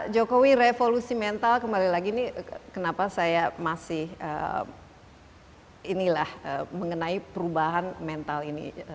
jokowi revolusi mental kembali lagi ini kenapa saya masih inilah mengenai perubahan mental ini